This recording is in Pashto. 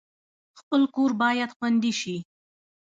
خپل کور باید خوندي شي